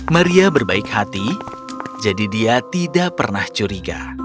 maria berbaik hati jadi dia tidak pernah curiga